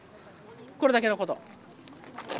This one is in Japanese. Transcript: これだけのこと。